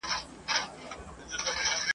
یوه حوره به راکښته سي له پاسه !.